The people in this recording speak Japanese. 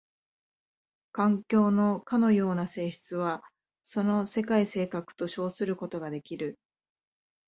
環境のかような性質はその世界性格と称することができる。